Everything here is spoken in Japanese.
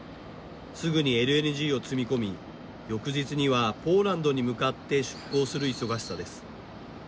すぐにＬＮＧを積み込み翌日にはポーランドに向かって出港する忙しさです。